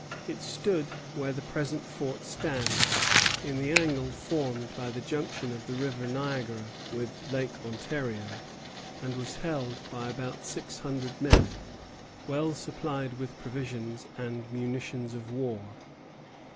It stood where the present fort stands, in the angle formed by the junction of the River Niagara with Lake Ontario, and was held by about six hundred men, well supplied with provisions and munitions of war.